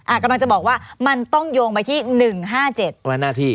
กำลังจะบอกว่ามันต้องโยงไปที่หนึ่งห้าเจ็ดว่าหน้าที่